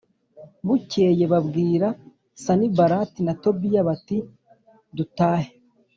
Bukeye babwira Sanibalati na Tobiya bati Dutahe